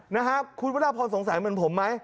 นะครับคุณพระราพรสงสัยเหมือนผมไหม